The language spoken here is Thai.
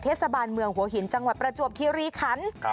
เทศบาลเมืองหัวหินจังหวัดประจวบคิริขัน